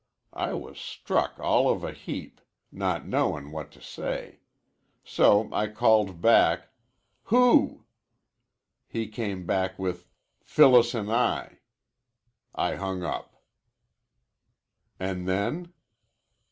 I was struck all of a heap, not knowin' what to say. So I called back, 'Who?' He came back with, 'Phyllis an' I.' I hung up." "And then?"